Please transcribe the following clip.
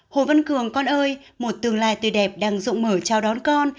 hồ văn cường con ơi một tương lai tươi đẹp đang rộng mở chào đón con